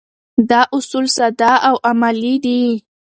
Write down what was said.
دا اصول ساده او عملي دي.